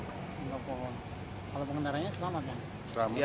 kalau pengendaranya selamat ya